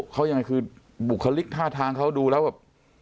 เขายังไงคือบุคลิกท่าทางเขาดูแล้วแบบ